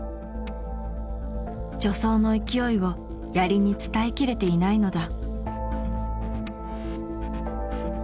助走の勢いをやりに伝えきれていないのだ。